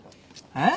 えっ？